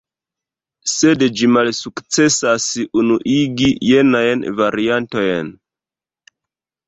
Sed ĝi malsukcesas unuigi jenajn variantojn.